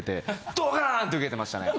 ドカーンってウケてましたね。